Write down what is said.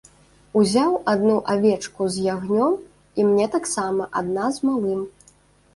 Узяў адну авечку з ягнём, і мне таксама адна з малым.